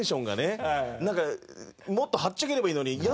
なんかもっとはっちゃければいいのに。